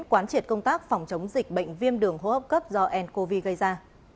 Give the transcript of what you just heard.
quán triệt công tác phòng chống dịch bệnh viêm đường hô hấp cấp do ncov gây ra